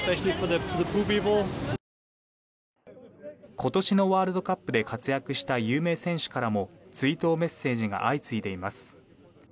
今年のワールドカップで活躍した有名選手からも追悼メッセージが相次いでいます。